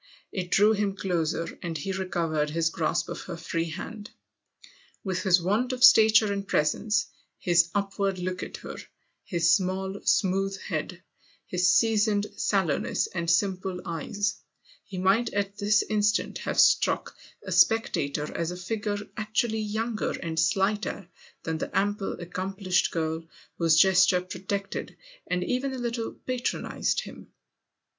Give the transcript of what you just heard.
It drew him closer, and he recovered his grasp of her free hand. With his want of stature and presence, his upward look at her, his small, smooth head, his seasoned sallowness and simple eyes, he might at this instant have struck a spectator as a figure actually younger and slighter than the ample, accomplished girl whose gesture protected and even a little patronised him.